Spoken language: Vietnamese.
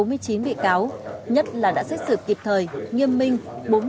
nhất là đã xét xử kịp thời nghiêm minh